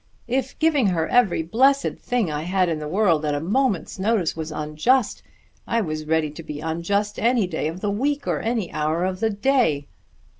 If giving her every blessed thing I had in the world at a moment's notice was unjust, I was ready to be unjust any day of the week or any hour of the day."